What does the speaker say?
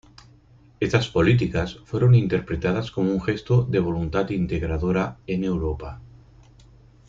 Estas políticas fueron interpretadas como un gesto de voluntad integradora en Europa.